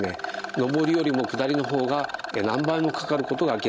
登りよりも下りの方が何倍もかかることが明らかになっています。